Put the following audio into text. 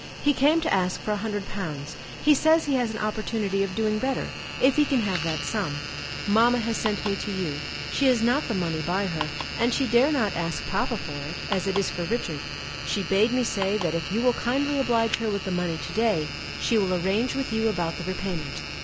He came to ask for a hundred pounds; he says he has an opportunity of doing better, if he can have that sum. Mamma has sent me to you; she has not the money by her, and she dare not ask papa for it, as it is for Richard. She bade me say that if you will kindly oblige her with the money to day, she will arrange with you about the repayment."